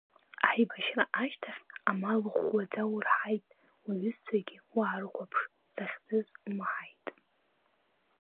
Аибашьра ашьҭахь амал ӷәӷәаӡа урҳаит, уҩызцәагь уаарыхәаԥш, захьӡыз умаҳаит…